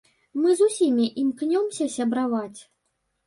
Мы з усімі імкнёмся сябраваць.